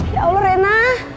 ya allah rena